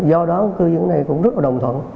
do đó cư dân ở đây cũng rất là đồng thuận